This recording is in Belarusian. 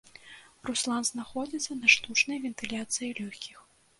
Руслан знаходзіцца на штучнай вентыляцыі лёгкіх.